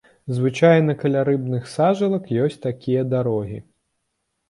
Звычайна каля рыбных сажалак ёсць такія дарогі.